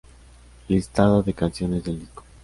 Listado de canciones del disco.